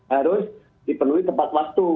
harus dipenuhi tepat waktu